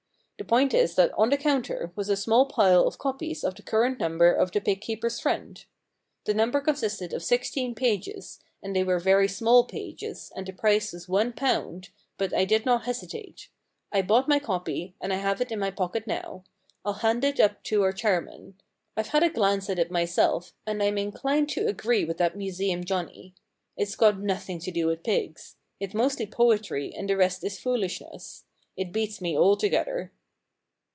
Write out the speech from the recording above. The point is that on the counter was a small pile of copies of the current number of The Fig Keepers* Friend, The number consisted of sixteen pages, and they were very small pages, and the price was one pound, but I did not hesitate. I bought my copy, and I have it in 227 The Problem Club my pocket now. I'll hand it up to our chair man. IVe had a glance at it myself, and Fm inclined to agree with that Museum Johnnie. It's got nothing to do with pigs. It's mostly poetry and the rest is foolishness. It beats me altogether.'